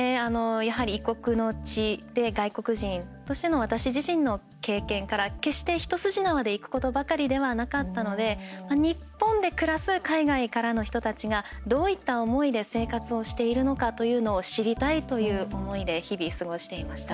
やはり異国の地で外国人としての私自身の経験から決して一筋縄でいくことばかりではなかったので日本で暮らす海外からの人たちがどういった思いで生活をしているのかというのを知りたいという思いで日々、過ごしていました。